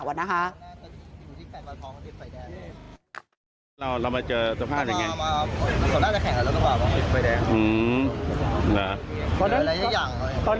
มีภลองปิดไฟแดง